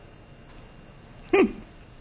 フッ。